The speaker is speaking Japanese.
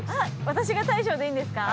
私が大将でいいんですか？